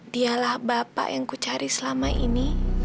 dialah papa yang ku cari selama ini